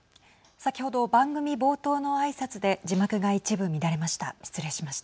先ほど番組冒頭のあいさつで字幕が一部乱れました。